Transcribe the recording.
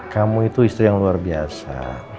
kamu itu istri yang luar biasa